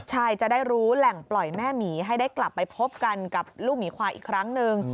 ใช่จะได้รู้แหล่งปล่อยแม่หมีให้ได้กลับไปพบกันกับลูกหมีควายอีกครั้งหนึ่ง